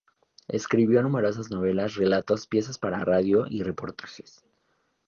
Escribió numerosas novelas, relatos, piezas para radio y reportajes.